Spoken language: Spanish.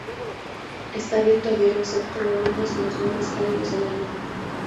Está abierto a diario excepto los lunes en los meses cálidos del año.